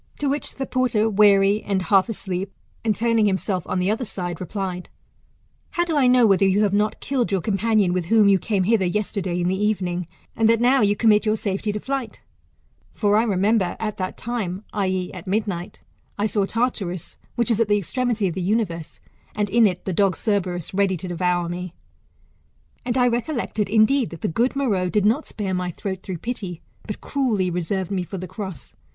To which the porter, weary, and half asleep, and 10 THE METAMORPHOSIS, OR turning himself on the other side, replied, How do I know, whether you have not killed your companion with whom you came hither yesterday in the evening, and that now you commit your safety to flight ? For I remember, at that time, [i.e. at midnight] I saw Tattarus, which is at the extremity of the universe, and in it the dog Cerberus ready to devour me. And I recollected, indeed, that the good Meroe did not spare my throat through pity, but cruelly reserved me for the cross.